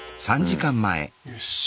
よし。